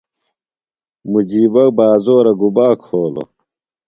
مجیبہ بازورہ گُبا کھولوۡ؟